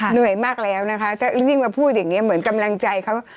เหนื่อยมากแล้วนะคะถ้ายิ่งมาพูดอย่างนี้เหมือนกำลังใจเขา